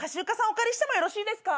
お借りしてもよろしいですか？